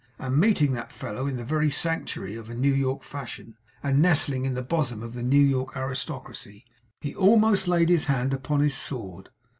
And meeting that fellow in the very sanctuary of New York fashion, and nestling in the bosom of the New York aristocracy! He almost laid his hand upon his sword.